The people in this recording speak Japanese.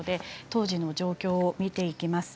当時の状況を見ていきます。